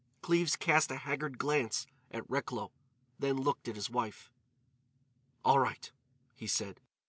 Cleves cast a haggard glance at Recklow, then looked at his wife. "All right," he said.